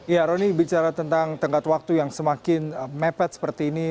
ya roni bicara tentang tengkat waktu yang semakin mepet seperti ini